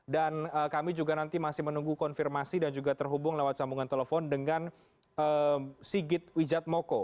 dan kami juga nanti masih menunggu konfirmasi dan juga terhubung lewat sambungan telepon dengan sigit wijatmoko